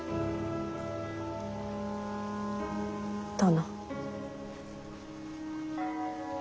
殿。